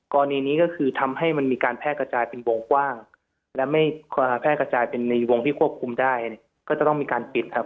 กรณีนี้ก็คือทำให้มันมีการแพร่กระจายเป็นวงกว้างและไม่แพร่กระจายเป็นในวงที่ควบคุมได้เนี่ยก็จะต้องมีการปิดครับ